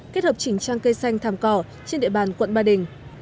kết hợp chỉnh trang cây xanh thàm cỏ trên địa bàn quận ba đình